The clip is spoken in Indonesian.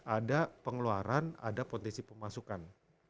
ada pengeluaran ada potensi pemasukan